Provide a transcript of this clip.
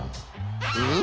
うん？